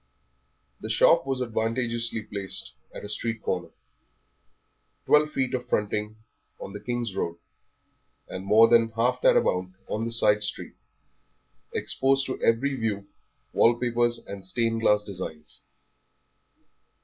The shop was advantageously placed at a street corner. Twelve feet of fronting on the King's Road, and more than half that amount on the side street, exposed to every view wall papers and stained glass designs.